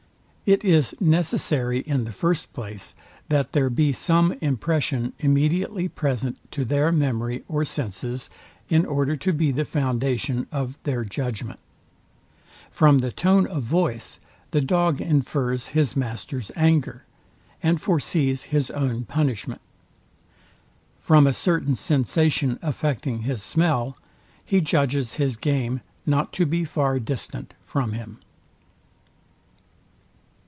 It is necessary in the first place, that there be some impression immediately present to their memory or senses, in order to be the foundation of their judgment. From the tone of voice the dog infers his masters anger, and foresees his own punishment. From a certain sensation affecting his smell, he judges his game not to be far distant from him.